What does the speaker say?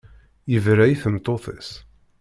Yebra i tmeṭṭut-is.